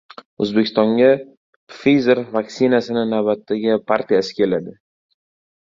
O‘zbekistonga Pfizer vaksinasining navbatdagi partiyasi keladi